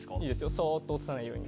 そっと落とさないように。